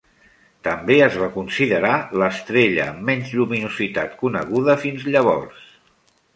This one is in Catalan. També es va considerar l"estrella amb menys lluminositat coneguda fins llavors.